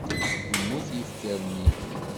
Yemmut yifker-nni.